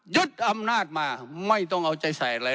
ยึดอำนาจมาไม่ต้องเอาใจใส่อะไร